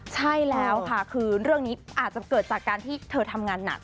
ใช่แล้วค่ะคือเรื่องนี้อาจจะเกิดจากการที่เธอทำงานหนัก